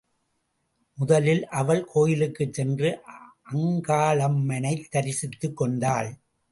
முதலில் அவள் கோயிலுக்குச் சென்று அங்காளம்மனைத் தரிசித்துக்கொண்டாள்.